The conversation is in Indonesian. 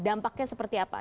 dampaknya seperti apa sih